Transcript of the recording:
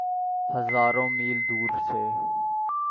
ہزاروں میل دور سے۔